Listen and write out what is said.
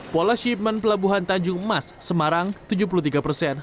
pola shipment pelabuhan tanjung emas semarang tujuh puluh tiga persen